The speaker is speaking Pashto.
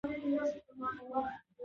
اداري اصول د مساوي چلند ضمانت کوي.